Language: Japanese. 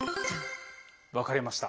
分かれました。